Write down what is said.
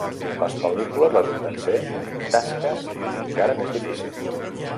Les pel·lícules resulten ser tasques encara més difícils.